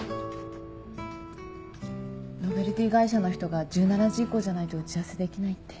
ノベルティ会社の人が１７時以降じゃないと打ち合わせできないって。